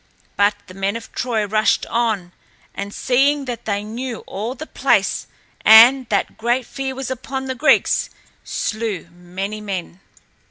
But the men of Troy rushed on and, seeing that they knew all the place and that great fear was upon the Greeks, slew many men.